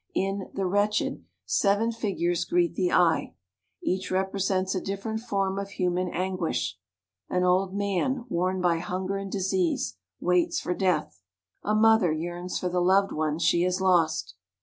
In "The Wretched" seven figures greet the eye. Each represents a different form of human anguish. An old man, worn by hunger and disease, waits for death. A mother yearns for the loved ones she has lost.